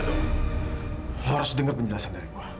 lo harus denger penjelasan dari gue